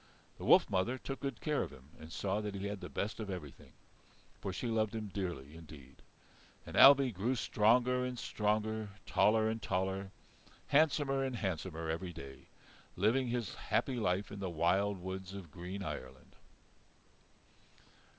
The wolf mother took good care of him and saw that he had the best of everything, for she loved him dearly, indeed. And Ailbe grew stronger and stronger, taller and taller, handsomer and handsomer every day, living his happy life in the wild woods of green Ireland.